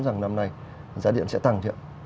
rằng năm nay giá điện sẽ tăng chưa